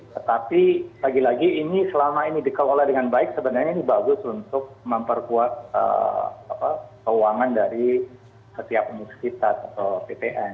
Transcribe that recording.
tetapi lagi lagi ini selama ini dikelola dengan baik sebenarnya ini bagus untuk memperkuat keuangan dari setiap universitas atau ppn